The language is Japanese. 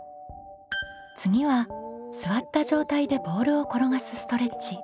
次は座った状態でボールを転がすストレッチ。